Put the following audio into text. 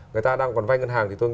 người ta đang còn vai ngân hàng